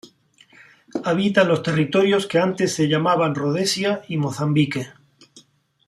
Habita en los territorios que antes se llamaban Rodesia y Mozambique.